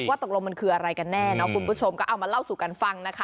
ว่าตกลงมันคืออะไรกันแน่เนาะคุณผู้ชมก็เอามาเล่าสู่กันฟังนะคะ